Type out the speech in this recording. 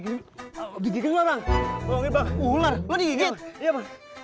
hei hei hei berdua mau apa lu mau nangkep lu berani lo gua ya iyalah